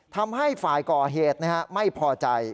ทำให้ฝ่ายก่อเหตุไม่พอใจ